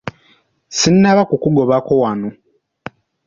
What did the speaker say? Sinnaba kukugobako wano.